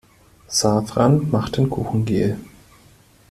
Safran macht den Kuchen gel.